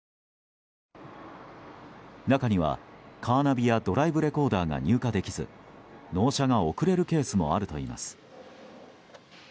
中には、カーナビやドライブレコーダーが入荷できず納車が遅れるケースもあるといいます。